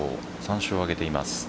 ３勝を挙げています。